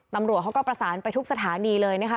ตำรวจเขาก็ประสานไปทุกสถานีเลยนะคะ